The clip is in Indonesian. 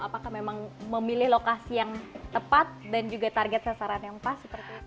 apakah memang memilih lokasi yang tepat dan juga target sasaran yang pas seperti itu